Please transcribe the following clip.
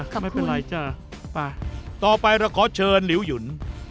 ต่อไปเราขอเชิญลิ้วยุ่น